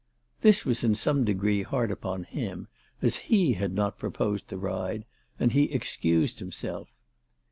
This was in some degree hard upon him, as he had not proposed the ride, and he excused himself.